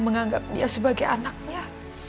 menganggap dia sebagai anaknya